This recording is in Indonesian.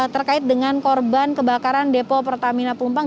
terkait dengan korban kebakaran depo pertamina pelumpang